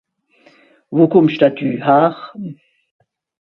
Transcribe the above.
Wo kùmmsch denn dü häre?